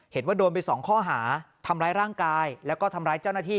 เห็นว่าโดนไปสองข้อหาทำร้ายร่างกายแล้วก็ทำร้ายเจ้าหน้าที่